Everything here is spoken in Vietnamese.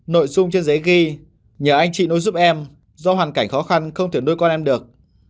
nội dung trên giấy ghi nhờ anh chị nối giúp em do hoàn cảnh khó khăn không thể nuôi con em được